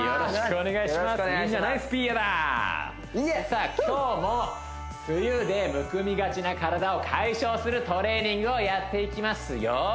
さあ今日も梅雨でむくみがちな体を解消するトレーニングをやっていきますよ